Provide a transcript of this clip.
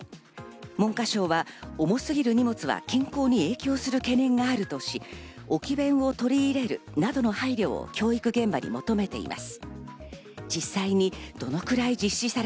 文科省は重すぎる荷物は健康に影響する懸念があるとし、置き勉を取り入れるなどの配慮を教育現場に求めています。